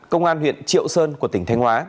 công an huyện triệu sơn của tỉnh thanh hóa